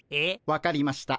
分かりました。